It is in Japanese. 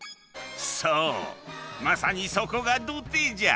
そうまさにそこが土手じゃ。